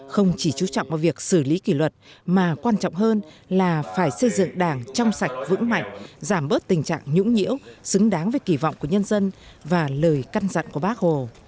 không chỉ chú trọng vào việc xử lý kỷ luật mà quan trọng hơn là phải xây dựng đảng trong sạch vững mạnh giảm bớt tình trạng nhũng nhiễu xứng đáng với kỳ vọng của nhân dân và lời căn dặn của bác hồ